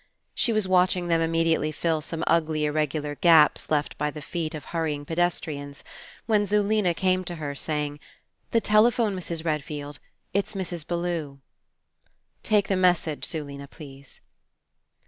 She was watching them immediately fill some ugly ir regular gaps left by the feet of hurrying pedes trians when Zulena came to her, saying: "The telephone, Mrs. Redfield. It's Mrs. Bellew." "Take the message, Zulena, please."